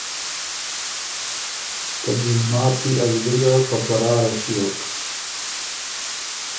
ته ګلماتی ا زلی ګه په قراره ݭیوک۔